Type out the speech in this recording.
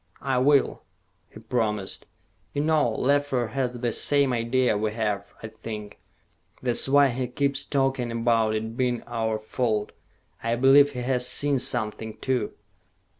"I will," he promised. "You know, Leffler has the same idea we have, I think. That's why he keeps talking about it being our fault. I believe he has seen something, too.